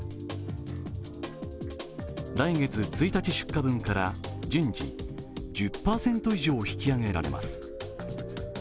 来月１日出荷分から順次、１０％以上引き上げられます。